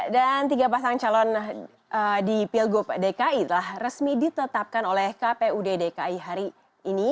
dan tiga pasang calon di pilgub dki telah resmi ditetapkan oleh kpud dki hari ini